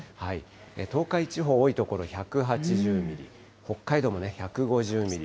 東海地方、多い所１８０ミリ、北海道もね、１５０ミリ。